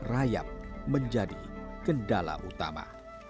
rayap menjadi kendala utama